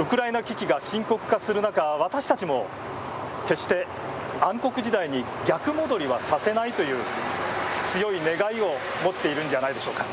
ウクライナ危機が深刻化する中私たちも決して暗黒の時代に逆戻りさせないという強い願いを持っているんじゃないでしょうか。